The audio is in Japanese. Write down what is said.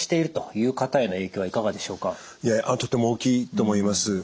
いやとても大きいと思います。